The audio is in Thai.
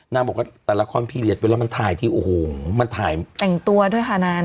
นางบอกว่าแต่ละครพี่เลียชไปแล้วมันถ่ายที่โอ้โห